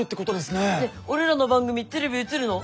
ねっ俺らの番組テレビ映るの？